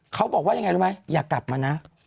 เขาบอกว่ายังไงรู้ไหมอย่ากลับมานะ